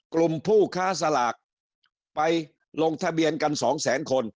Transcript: กลุ่มผู้ค้าสลากไปลงทะเบียนกันสองแสนคน